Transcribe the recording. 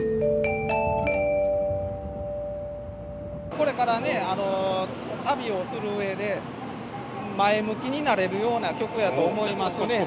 これからね、旅をするうえで、前向きになれるような曲やと思いますね。